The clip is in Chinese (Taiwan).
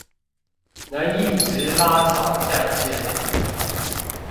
能一直拉長戰線